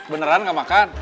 beneran gak makan